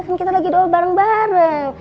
kan kita lagi doa bareng bareng